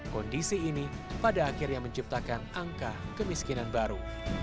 kondisi ini pada akhirnya menciptakan angka kemiskinan baru